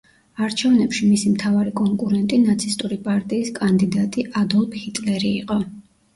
არჩევნებში მისი მთავარი კონკურენტი ნაცისტური პარტიის კანდიდატი ადოლფ ჰიტლერი იყო.